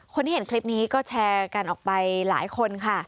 คนที่เห็นคลิปนี้ก็แชร์กันออกไปหลายคนค่ะ